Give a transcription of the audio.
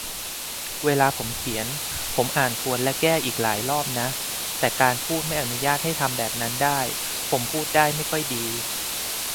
เวลาผมเขียน ผมอ่านทวนและแก้อีกหลายรอบนะ แต่การพูดไม่อนุญาตให้ทำแบบนั้นได้ ผมพูดได้ไม่ค่อยดี